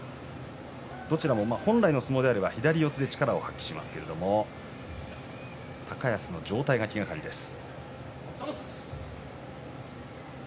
どちらも本来の相撲であれば左四つで力を発揮しますけど高安の状態が気がかりです。